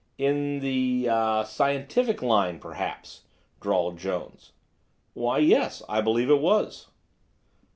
"In the—er—scientific line, perhaps?" drawled Jones. "Why, yes, I believe it was."